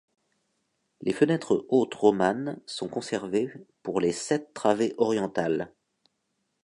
Les fenêtres hautes romanes sont conservées pour les sept travées orientales.